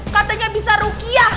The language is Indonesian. katanya bisa rukiah